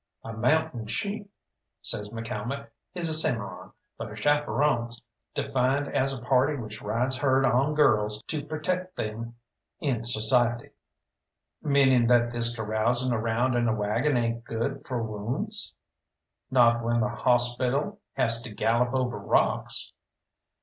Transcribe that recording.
"A mountain sheep," says McCalmont, "is a cimarron, but a chaperon's defined as a party which rides herd on girls to proteck them in society." "Meaning that this carousing around in a waggon ain't good for wounds?" "Not when the hawspital has to gallop over rocks."